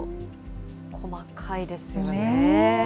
細かいですよね。